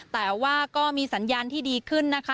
แต่ว่าก็มีสัญญาณที่ดีขึ้นนะคะ